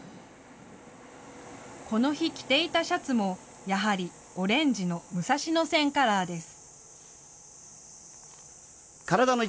この日、着ていたシャツもやはりオレンジの武蔵野線カラーです。